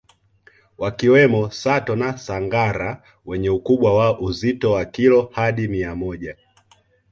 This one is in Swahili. wakiwemo Sato na Sangara wenye ukubwa wa uzito wa kilo hadi mia moja